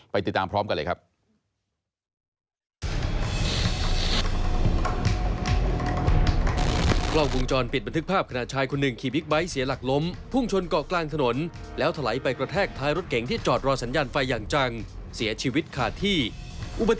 ติดตามพร้อมกันเลยครับ